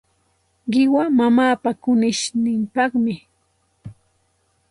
Qiwa mamaapa kunishninpaqmi.